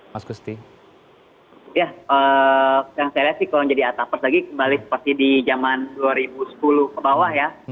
ya yang saya lihat sih kalau jadi atapers lagi kembali seperti di zaman dua ribu sepuluh ke bawah ya